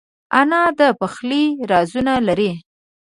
انا د پخلي رازونه لري